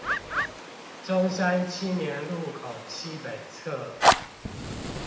中山青年路口西北側